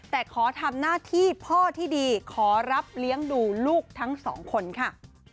แต่ขอทำหน้าที่พ่อที่ดีขอรับเลี้ยงดูลูกทั้งสองคนค่ะ